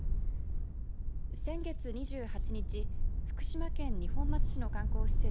先月２８日福島県二本松市の観光施設